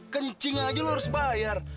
kencing aja lo harus bayar